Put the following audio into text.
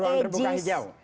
ruang terbuka hijau